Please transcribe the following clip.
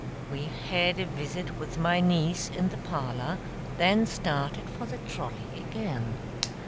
We had a visit with my niece in the parlor, then started for the trolley again.